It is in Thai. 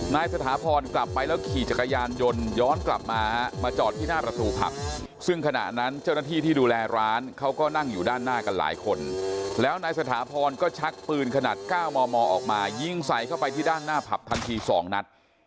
สถาพรกลับไปแล้วขี่จักรยานยนต์ย้อนกลับมามาจอดที่หน้าประตูผับซึ่งขณะนั้นเจ้าหน้าที่ที่ดูแลร้านเขาก็นั่งอยู่ด้านหน้ากันหลายคนแล้วนายสถาพรก็ชักปืนขนาด๙มมออกมายิงใส่เข้าไปที่ด้านหน้าผับทันที๒นัด